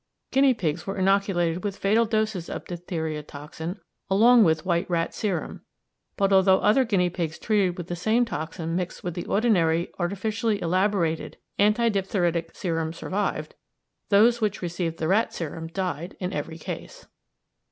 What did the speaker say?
Guinea pigs were inoculated with fatal doses of diphtheria toxin along with white rat serum; but although other guinea pigs treated with the same toxin mixed with the ordinary artificially elaborated anti diphtheritic serum survived, those which received the rat serum died in every case.